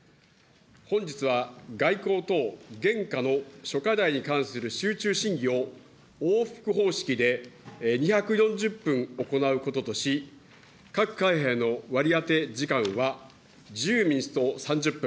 本日は、外交等現下の諸課題に関する集中審議を、往復方式で２４０分行うこととし、各会派への割り当て時間は、自由民主党３０分。